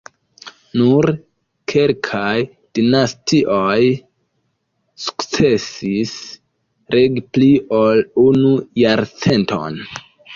Nur kelkaj dinastioj sukcesis regi pli ol unu jarcenton.